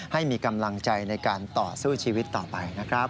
ให้มีกำลังใจในการต่อสู้ชีวิตต่อไปนะครับ